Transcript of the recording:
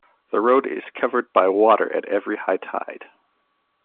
The road is covered by water at every high tide.